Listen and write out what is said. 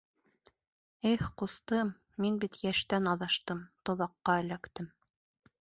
Их, ҡустым, мин бит йәштән аҙаштым, тоҙаҡҡа эләктем.